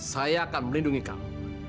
saya akan melindungi kamu